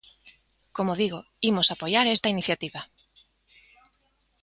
Como digo, imos apoiar esta iniciativa.